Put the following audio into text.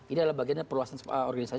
ini adalah bagian dari perluasan organisasi